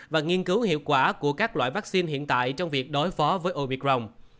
và nghiên cứu hiệu quả của các loại vaccine hiện tại trong việc đối phó với omicron